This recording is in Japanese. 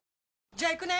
じゃあ行くね！